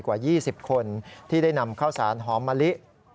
กว่า๒๐คนที่ได้นำข้าวสารหอมมะลิ